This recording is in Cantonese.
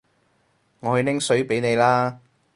我去拎水畀你啦